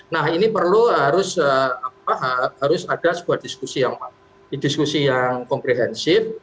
nah ini perlu harus ada sebuah diskusi yang komprehensif